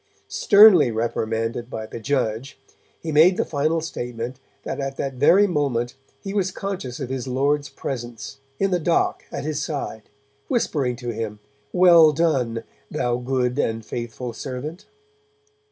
Sternly reprimanded by the judge, he made the final statement that at that very moment he was conscious of his Lord's presence, in the dock at his side, whispering to him 'Well done, thou good and faithful servant!'